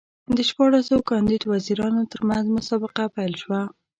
د شپاړسو کاندید وزیرانو ترمنځ مسابقه پیل شوه.